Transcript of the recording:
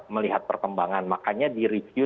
melihat perkembangan makanya di review